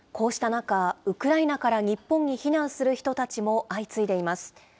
こうした中、ウクライナから日本に避難する人たちも相次いでいます。